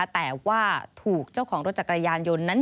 แต่ว่าถูกเจ้าของรถจักรยานยนต์นั้น